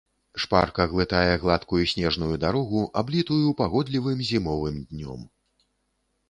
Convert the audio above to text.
Шпарка глытае гладкую снежную дарогу, аблітую пагодлівым зімовым днём.